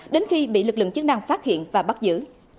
đến khi bị lực lượng chức năng phát hiện và bắt giữ